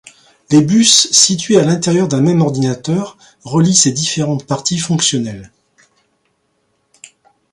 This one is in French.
Les bus situés à l'intérieur d'un même ordinateur relient ses différentes parties fonctionnelles.